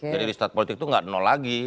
jadi restart politik itu gak ada nol lagi